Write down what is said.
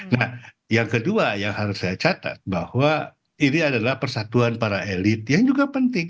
nah yang kedua yang harus saya catat bahwa ini adalah persatuan para elit yang juga penting